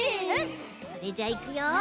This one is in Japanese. それじゃあいくよ。